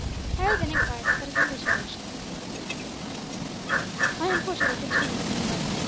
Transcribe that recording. Harry then enquired about his mother's relations. "I, unfortunately, can tell you nothing about them.